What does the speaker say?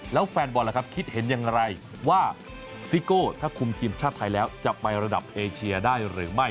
แล้วแฟนบอลล่ะครับคิดเห็นอย่างไรว่าซิโก้ถ้าคุมทีมชาติไทยแล้วจะไประดับเอเชียได้หรือไม่